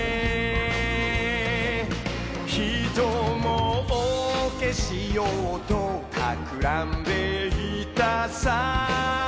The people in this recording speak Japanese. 「ひともうけしようとたくらんでいたさ」